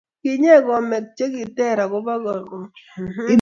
Kinyei komek che ter akubo robinik che ter